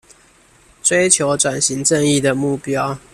追求轉型正義的目標